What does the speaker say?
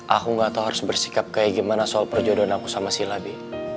aku gak tau harus bersikap kayak gimana soal perjodohan aku sama si labi